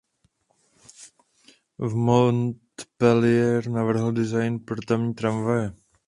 V Montpellier navrhl design pro tamní tramvaje.